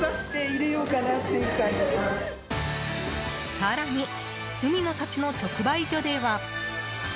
更に海の幸の直売所では。